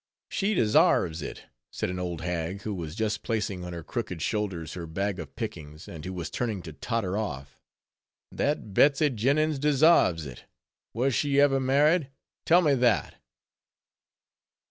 "She desarves it," said an old hag, who was just placing on her crooked shoulders her bag of pickings, and who was turning to totter off, "that Betsy Jennings desarves it—was she ever married? tell me that."